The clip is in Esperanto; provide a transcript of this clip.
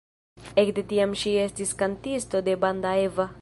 Ekde tiam ŝi estis kantisto de Banda Eva.